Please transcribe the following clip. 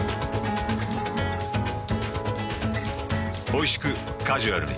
おいしくカジュアルに。